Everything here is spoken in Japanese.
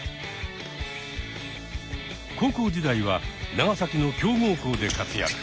高校時代は長崎の強豪校で活躍。